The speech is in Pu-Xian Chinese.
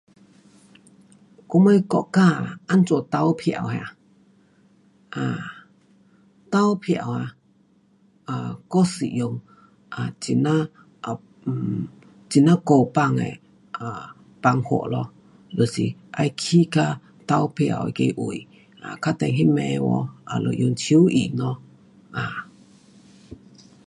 我们国家啊，怎样投票啊，啊，投票啊，um 我是用啊，很呀 um 很呀古板的 um 方法咯，要去到投票那个位，啊，等下那边有没？um 就用手印咯，啊。